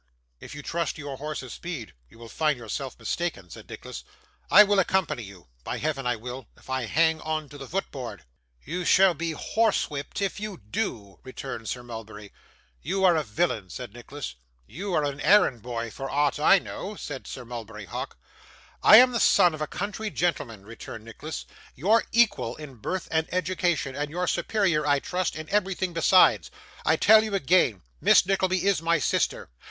'If you trust to your horse's speed, you will find yourself mistaken,' said Nicholas. 'I will accompany you. By Heaven I will, if I hang on to the foot board.' 'You shall be horsewhipped if you do,' returned Sir Mulberry. 'You are a villain,' said Nicholas. 'You are an errand boy for aught I know,' said Sir Mulberry Hawk. 'I am the son of a country gentleman,' returned Nicholas, 'your equal in birth and education, and your superior I trust in everything besides. I tell you again, Miss Nickleby is my sister.